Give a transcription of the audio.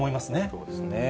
そうですね。